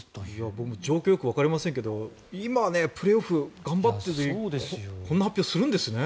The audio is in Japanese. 僕も状況よくわかりませんけれど今、プレーオフ頑張っててこんな発表するんですね。